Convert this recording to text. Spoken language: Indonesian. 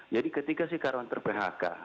jadi ketika sekarang ter phk